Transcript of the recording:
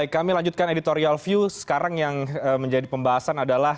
kami lanjutkan editorial view sekarang yang menjadi pembahasan adalah